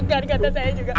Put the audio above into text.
gak tau saya juga